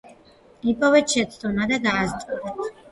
იპოვეთ შეცდომა და გაასწორეთ.